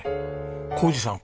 宏二さん